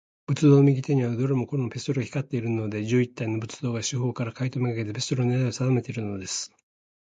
仏像の右手には、どれもこれも、ピストルが光っているのです。十一体の仏像が、四ほうから、怪盗めがけて、ピストルのねらいをさだめているのです。